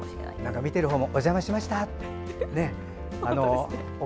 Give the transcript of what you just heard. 見てるほうもお邪魔しました！